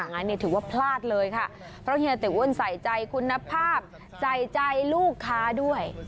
งั้นเนี่ยถือว่าพลาดเลยค่ะเพราะเฮียติอ้วนใส่ใจคุณภาพใส่ใจลูกค้าด้วย